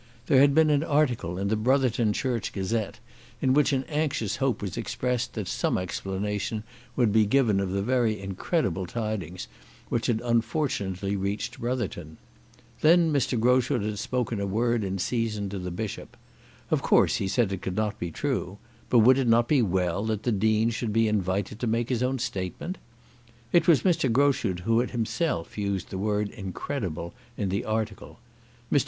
There had been an article in the "Brotherton Church Gazette," in which an anxious hope was expressed that some explanation would be given of the very incredible tidings which had unfortunately reached Brotherton. Then Mr. Groschut had spoken a word in season to the Bishop. Of course he said it could not be true; but would it not be well that the Dean should be invited to make his own statement? It was Mr. Groschut who had himself used the word "incredible" in the article. Mr.